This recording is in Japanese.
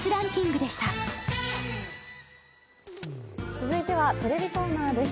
続いてはテレビコーナーです。